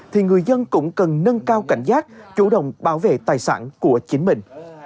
thì người dân cũng cần nâng cao cảnh giác chủ động bảo vệ tài sản của chính mình